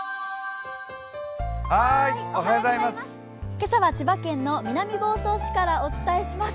今朝は千葉県の南房総市からお伝えします。